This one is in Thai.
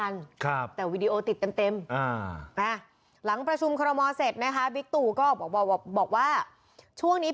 สวัสดีค่ะพระสาธารณ์